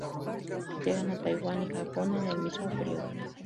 Llegan a Taiwán y Japón en el mismo período.